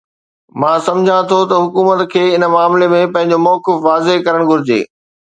مان سمجهان ٿو ته حڪومت کي ان معاملي ۾ پنهنجو موقف واضح ڪرڻ گهرجي.